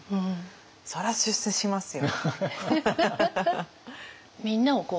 そりゃ出世しますよ。